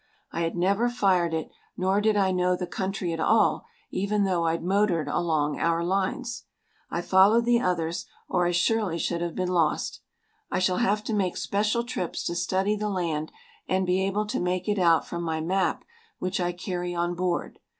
I had never fired it, nor did I know the country at all even though I'd motored along our lines. I followed the others or I surely should have been lost. I shall have to make special trips to study the land and be able to make it out from my map which I carry on board.